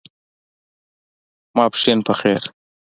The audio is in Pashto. ماسپښېن په خیر !